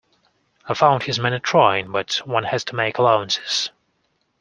I found his manner trying, but one has to make allowances.